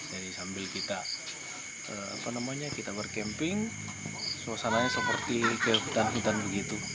jadi sambil kita berkemping suasananya seperti hutan hutan begitu